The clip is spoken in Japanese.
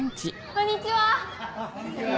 こんにちは。